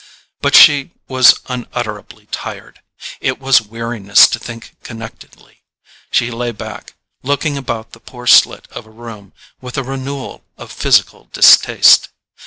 But she was unutterably tired; it was weariness to think connectedly. She lay back, looking about the poor slit of a room with a renewal of physical distaste.